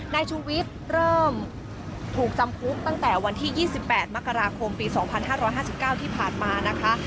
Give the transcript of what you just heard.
นายชูวิทย์เริ่มถูกจำคุกตั้งแต่วันที่๒๘มกราคมปี๒๕๕๙ที่ผ่านมานะคะ